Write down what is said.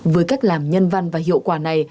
với cách làm nhân văn và hiệu quả này